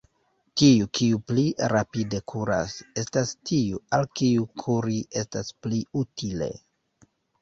Tiu, kiu pli rapide kuras, estas tiu, al kiu kuri estas pli utile.